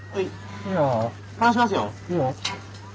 いいよ。